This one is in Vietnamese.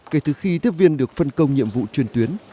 kể từ khi tiếp viên được phân công nhiệm vụ truyền tuyến